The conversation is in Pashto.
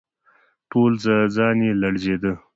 ټول ځان يې لړزېده.